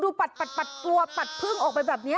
ปัดตัวปัดพึ่งออกไปแบบนี้